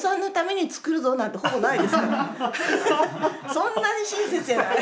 そんなに親切じゃない。